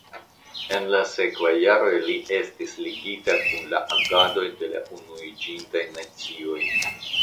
En la sekvaj jaroj li estis ligita kun la agadoj de la Unuiĝintaj Nacioj.